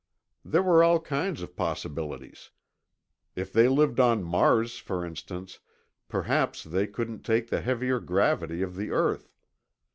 There were all kinds of possibilities. If they lived on Mars, for instance, perhaps they couldn't take the heavier gravity of the earth.